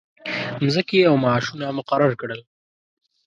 مځکې او معاشونه مقرر کړل.